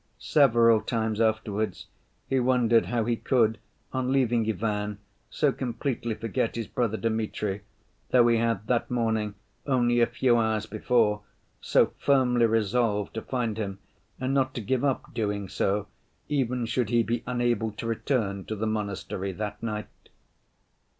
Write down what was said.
Several times afterwards he wondered how he could on leaving Ivan so completely forget his brother Dmitri, though he had that morning, only a few hours before, so firmly resolved to find him and not to give up doing so, even should he be unable to return to the monastery that night.